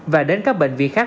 và đến các bệnh viện khác